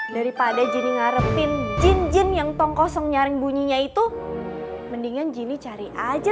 dari pada jenny ngarepin jin jin yang tongkosong nyaring bunyinya itu mendingan jenny cari aja